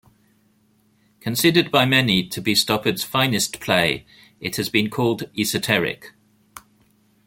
Considered by many to be Stoppard's finest play, it has been called "esoteric".